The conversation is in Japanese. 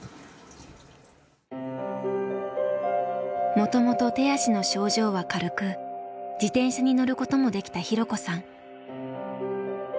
もともと手足の症状は軽く自転車に乗ることもできた弘子さん。